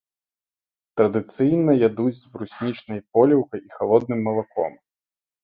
Традыцыйна ядуць з бруснічнай поліўкай і халодным малаком.